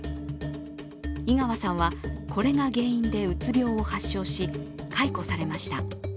井川さんはこれが原因でうつ病を発症し、解雇されました。